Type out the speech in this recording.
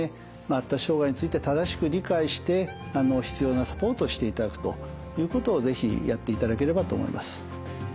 発達障害について正しく理解して必要なサポートをしていただくということを是非やっていただければと思います。